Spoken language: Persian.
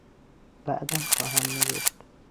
بعدا خواهم نوشت.